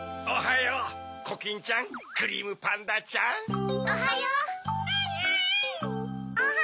おはよう。